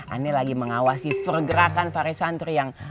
aneh lagi mengawasi pergerakan farisantri yang